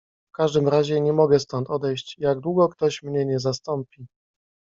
"W każdym razie nie mogę stąd odejść, jak długo ktoś mnie nie zastąpi."